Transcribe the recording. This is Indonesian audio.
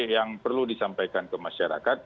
yang perlu disampaikan ke masyarakat